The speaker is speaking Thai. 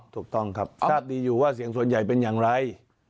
ถูกต้องครับทราบดีอยู่ว่าเสียงส่วนใหญ่เป็นอย่างไร